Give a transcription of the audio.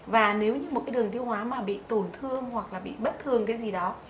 và nếu như một đường tiêu hóa bị tổn thương hoặc bị bất thường gì đó